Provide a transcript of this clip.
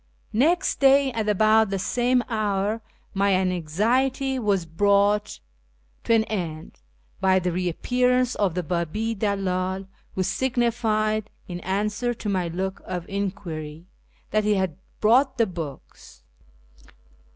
Next day, at about the same hour, my anxiety was brought ISFAHAN 207 to an end by the reappearance of the B;ibi dalldl, who signified, in answer to my look of enquiry, that he had brought the books.